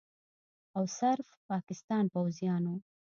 او صرف پاکستان پوځیانو